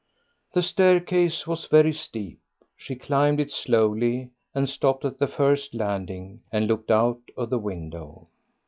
The staircase was very steep; she climbed it slowly, and stopped at the first landing and looked out of the window.